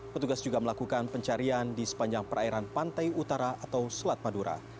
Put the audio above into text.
petugas juga melakukan pencarian di sepanjang perairan pantai utara atau selat madura